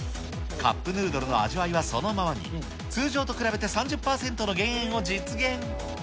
カップヌードルの味わいはそのままに、通常と比べて３０％の減塩を実現。